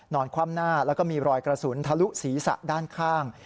คว่ำหน้าแล้วก็มีรอยกระสุนทะลุศีรษะด้านข้าง